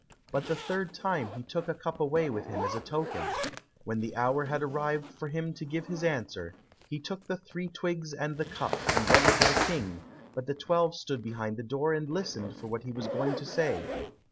But the third time he took a cup away with him as a token. When the hour had arrived for him to give his answer, he took the three twigs and the cup, and went to the King, but the twelve stood behind the door, and listened for what he was going to say.